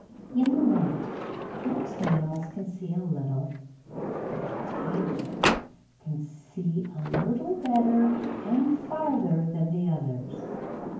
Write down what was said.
In the night most animals can see a little, but the tiger can see a little better and farther than the others.